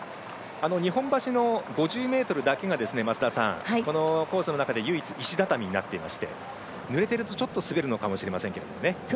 日本橋の５０ｍだけがこのコースの中で唯一石畳になっていましてぬれているとちょっと滑るのかもしれませんけど。